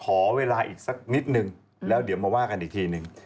ขอเวลาอีกสักนิดนึงแล้วเดี๋ยวมาว่ากันอีกทีหนึ่ง